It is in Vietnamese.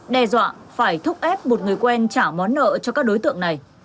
đe dọa phải thúc ép một người quen trả món nợ cho các đối tượng này